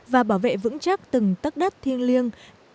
và bảo vệ vững chắc từng tất đất thiêng liêng